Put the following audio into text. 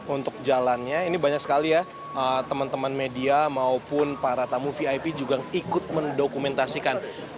untuk jalannya ini banyak sekali ya teman teman media maupun para tamu vip juga yang ikut mendokumentasikan